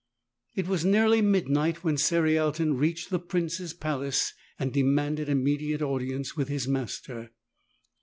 It was nearly midnight when Cerialton reached the prince's palace and demanded immediate audience with his master.